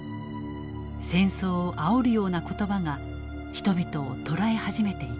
戦争をあおるような言葉が人々を捉え始めていた。